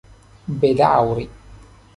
bedaŭri